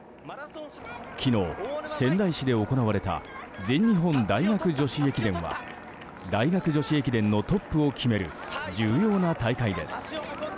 昨日、仙台市で行われた全日本大学女子駅伝は大学女子駅伝のトップを決める重要な大会です。